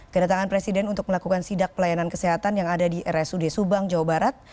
kedatangan presiden untuk melakukan sidak pelayanan kesehatan yang ada di rsud subang jawa barat